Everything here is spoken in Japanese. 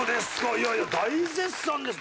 いやいや大絶賛です。